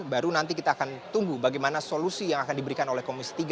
baru nanti kita akan tunggu bagaimana solusi yang akan diberikan oleh komisi tiga